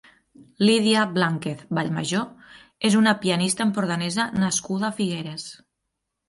Lídia Blánquez Vallmajó és una pianista empordanesa nascuda a Figueres.